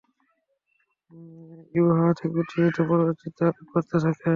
ইউহাওয়া তাকে উত্তেজিত ও প্ররোচিত করতে থাকে।